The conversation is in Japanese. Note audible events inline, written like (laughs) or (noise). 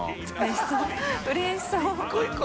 うれしそう (laughs)